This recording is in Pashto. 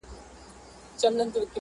• زه مي د شرف له دایرې وتلای نه سمه,